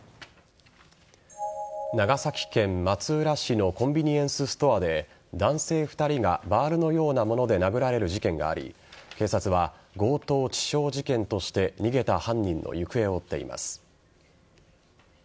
長崎県松浦市のコンビニエンスストアで男性２人がバールのようなもので殴られる事件があり警察は強盗致傷事件として逃げた犯人の行方を追っています。